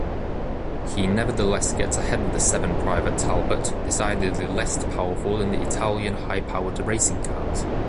He nevertheless gets ahead of the seven private Talbot, decidedly lest powerful than the Italian high-powered racing cars.